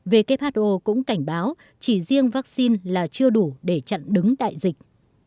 who cũng cảnh báo chỉ riêng vaccine là chưa đủ để chặn đứng đại dịch